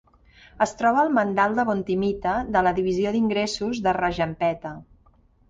Es troba al mandal de Vontimitta de la divisió d'ingressos de Rajampeta.